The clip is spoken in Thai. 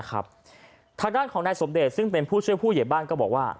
ทางด้านของนายสมเดชซึ่งเป็นผู้ช่วยผู้เหยียบบ้านก็บอกว่า